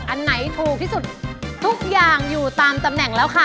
อันไหนถูกที่สุดทุกอย่างอยู่ตามตำแหน่งแล้วค่ะ